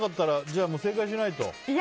じゃあ正解しないと。